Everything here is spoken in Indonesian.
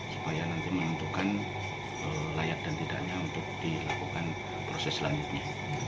supaya nanti menentukan layak dan tidaknya untuk dilakukan proses selanjutnya